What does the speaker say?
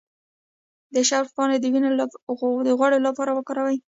د شبت پاڼې د وینې د غوړ لپاره وکاروئ